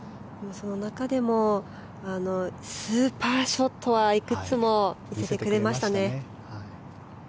その中でもスーパーショットはいくつも見せてくれましたね。